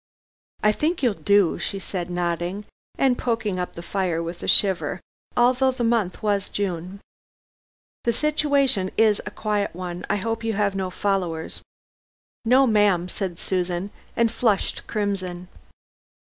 "I think you'll do," she said nodding, and poking up the fire, with a shiver, although the month was June. "The situation is a quiet one. I hope you have no followers." "No, ma'am," said Susan and flushed crimson.